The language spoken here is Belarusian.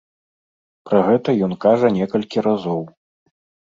Пра гэта ён кажа некалькі разоў.